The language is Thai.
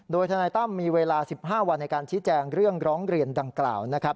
โดยทนายตั้มมีเวลา๑๕วันในการชี้แจงเรื่องร้องเรียนดังกล่าวนะครับ